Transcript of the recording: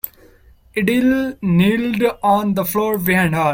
Adele kneeled on the floor behind her.